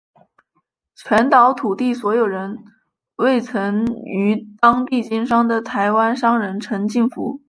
全岛土地所有人为曾于当地经商的台湾商人陈进福。